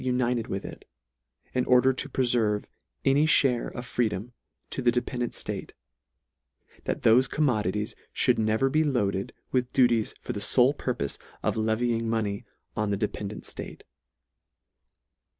united with it, in order to preferve any (hare of freedom to the dependant Mate ; that thofe commodities mould never be loaded with duties for the fole purpofe of levying money on the dependant ftate.